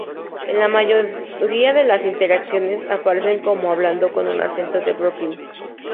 En la mayoría de las interacciones, aparece como hablando con un acento de Brooklyn.